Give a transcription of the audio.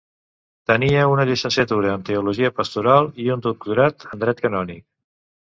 Tenia una llicenciatura en teologia pastoral i un doctorat en dret canònic.